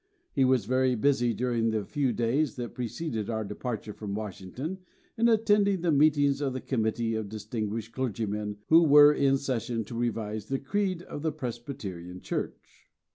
He was very busy during the few days that preceded our departure from Washington in attending the meetings of the Committee of distinguished clergymen who were in session to revise the creed of the Presbyterian Church.